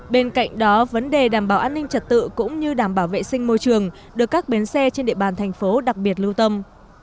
bên cạnh đó vấn đề đảm bảo an ninh trật tự cũng như đảm bảo vệ sinh môi trường được các bến xe trên địa bàn thành phố đặc biệt lưu tâm